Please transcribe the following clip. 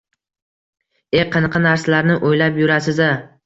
E, qanaqa narsalarni o`ylab yurasiz-a